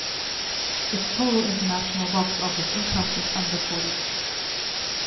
Its total international box office income is unreported.